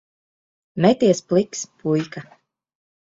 Meties pliks, puika.